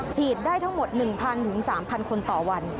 ฉีดได้ทั้งหมด๑๐๐๓๐๐คนต่อวัน